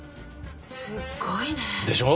すごいね！でしょ？